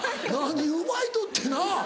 何奪い取ってなぁ。